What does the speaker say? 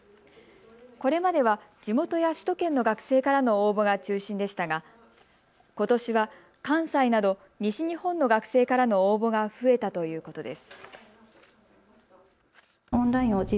これまでは地元や首都圏の学生からの応募が中心でしたがことしは関西など西日本の学生からの応募が増えたということです。